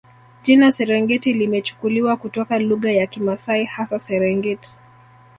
Jina Serengeti limechukuliwa kutoka lugha ya Kimasai hasa Serengit